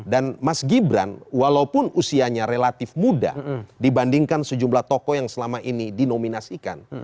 dan mas gibran walaupun usianya relatif muda dibandingkan sejumlah toko yang selama ini dinominasikan